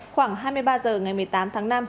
khoảng hai mươi ba h ngày một mươi tám tháng năm